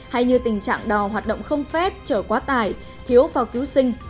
hay như tình trạng đò hoạt động không phết trở quá tài thiếu phao cứu sinh